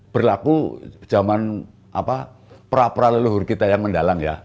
berlaku zaman pra leluhur kita yang mendalang ya